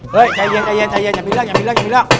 เฮ้ยใจเย็นยังมีเรื่อง